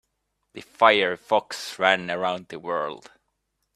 The fiery fox ran around the world.